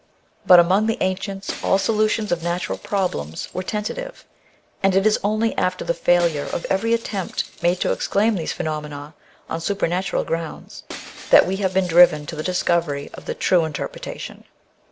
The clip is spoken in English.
But among the ancients all solutions of natural problems were tentative, and it is only after the failure of every attempt made to explain these phenomena on supernatural grounds that we have been driven to the discovery of the true interpretation.